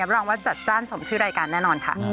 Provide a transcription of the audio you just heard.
รองว่าจัดจ้านสมชื่อรายการแน่นอนค่ะ